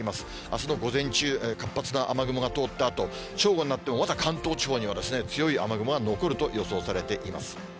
あすの午前中、活発な雨雲が通ったあと、正午になってもまだ関東地方には強い雨雲が残ると予想されています。